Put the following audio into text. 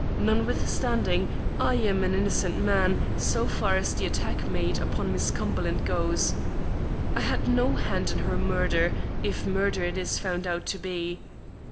Notwithstanding, I am an innocent man so far as the attack made upon Miss Cumberland goes. I had no hand in her murder, if murder it is found out to be.